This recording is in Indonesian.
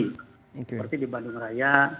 seperti di bandung raya